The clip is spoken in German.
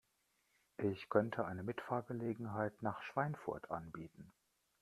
Ich könnte eine Mitfahrgelegenheit nach Schweinfurt anbieten